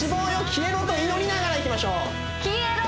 消えろと祈りながらいきましょう消えろ！